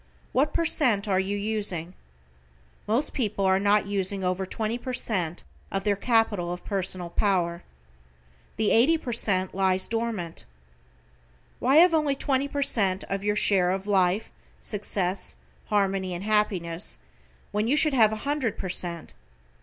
What per cent are you using? Most people are not using over 20 per cent of their capital of personal power. The 80 per cent lies dormant. Why have only 20 per cent of your share of Life, Success, Harmony and Happiness, when you should have 100 per cent.